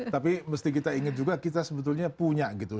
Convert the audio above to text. tapi mesti kita ingat juga kita sebetulnya punya gitu